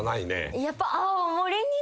やっぱ。